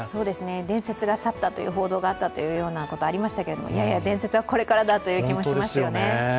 伝説が去ったという報道があったというようなことがありましたけれども、いやいや、伝説はこれからだという気もしますよね。